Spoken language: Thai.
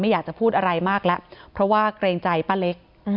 อยากจะพูดอะไรมากแล้วเพราะว่าเกรงใจป้าเล็ก